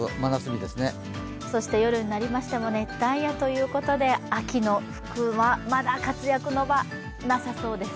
夜になりましても熱帯夜ということで秋の服はまだ活躍の場、なさそうです。